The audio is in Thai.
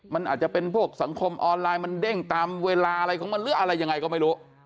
มันอาจจะเป็นพวกสังคมออนไลน์มันเด้งตามเวลาอะไรของมันหรืออะไรยังไงก็ไม่รู้